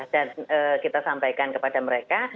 dan kita sampaikan kepada mereka